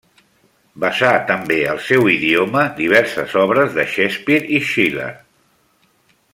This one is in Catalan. Vessà també al seu idioma diverses obres de Shakespeare i Schiller.